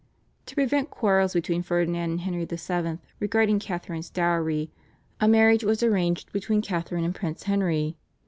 To prevent quarrels between Ferdinand and Henry VII. regarding Catharine's dowry, a marriage was arranged between Catharine and Prince Henry.